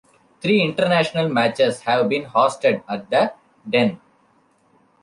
Three international matches have been hosted at The Den.